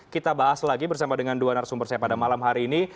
kita bahas lagi bersama dengan dua narasumber saya pada malam hari ini